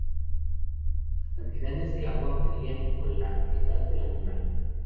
Las cantidades de agua varían con la edad del animal.